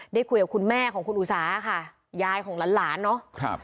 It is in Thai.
ได้คุยกับคุณแม่ของคุณอุสาค่ะยายของหลานหลานเนาะ